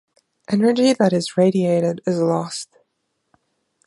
Energy that is radiated is lost.